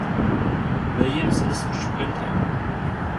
Williams ist Sprinter.